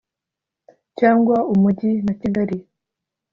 cyangwa Umujyi n’ Kigali